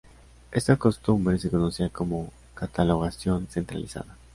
Esta costumbre se conocía como catalogación centralizada.